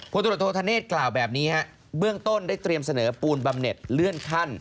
ตรวจโทษธเนศกล่าวแบบนี้ฮะเบื้องต้นได้เตรียมเสนอปูนบำเน็ตเลื่อนขั้น